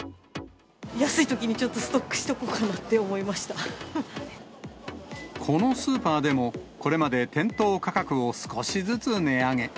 安いときにちょっとストックこのスーパーでも、これまで店頭価格を少しずつ値上げ。